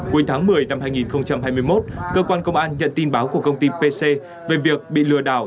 cuối tháng một mươi năm hai nghìn hai mươi một cơ quan công an nhận tin báo của công ty pc về việc bị lừa đảo